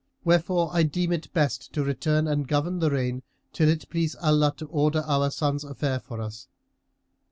Wherefore I deem best to return and govern the reign till it please Allah to order our son's affair for us.